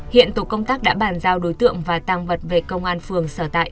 hiện tổ công tác đã bàn giao đối tượng và tăng vật về công an phường sở tại